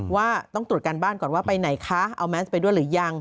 ว่าต้องตรวจการบ้านก่อนว่าไปไหนคะเอาแมสไปด้วยหรือยัง